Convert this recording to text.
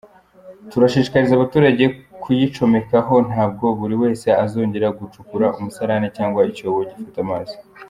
Turashishikariza abaturage kuyicomekaho, ntabwo buri wese azongera gucukura umusarane cyangwa icyobo gifata amazi.